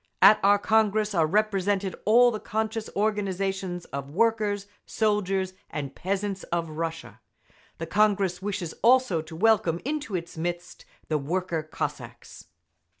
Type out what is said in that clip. At our Congress are represented all the conscious organisations of workers, soldiers and peasants of Russia. The Congress wishes also to welcome into its midst the worker Cossacks.